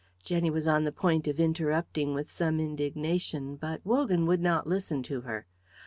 Jenny was on the point of interrupting with some indignation, but Wogan would not listen to her.